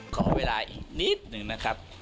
ขอเวลาอีกนิดหนึ่งนะครับ